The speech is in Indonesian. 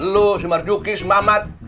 lu si marjuki si mamat